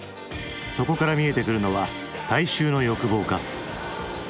そこから見えてくるのは大衆の欲望か。